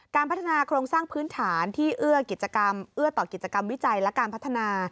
การพัฒนาโครงสร้างพื้นฐานที่เอื้อกิจกรรมเอื้อต่อกิจกรรมวิจัยและการพัฒนา